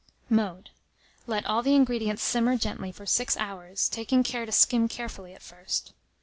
Mode. Let all the ingredients simmer gently for 6 hours, taking care to skim carefully at first.